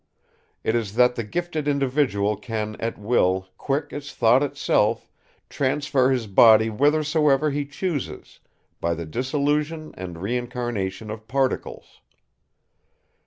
It is that the gifted individual can at will, quick as thought itself, transfer his body whithersoever he chooses, by the dissolution and reincarnation of particles.